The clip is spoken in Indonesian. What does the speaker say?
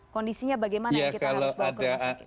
kondisinya bagaimana yang kita harus bawa ke rumah sakit